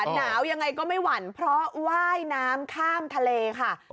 หนาวยังไงก็ไม่หวั่นเพราะว่ายน้ำข้ามทะเลค่ะ